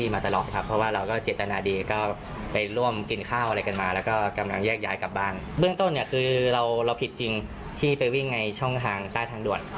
ไม่ได้ไปวิ่งในช่องทางใต้ทางด่วน